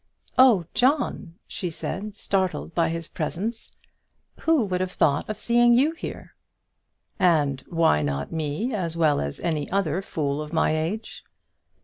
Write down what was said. "Oh, John!" she said, startled by his presence, "who would have thought of seeing you here?" "And why not me as well as any other fool of my age?"